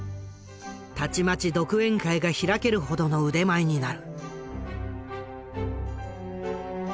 たちまち独演会が開けるほどの腕前になる。